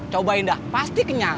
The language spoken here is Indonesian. cobain dah pasti kenyang